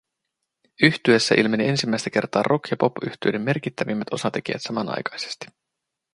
Yhtyeessä ilmeni ensimmäistä kertaa rock- ja popyhtyeiden merkittävimmät osatekijät samanaikaisesti